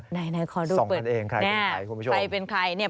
ส่องกันเองใครเป็นใครคุณผู้ชมใครเป็นใครเนี่ย